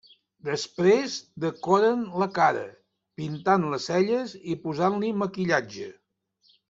Després decoren la cara, pintant les celles, i posant-li maquillatge.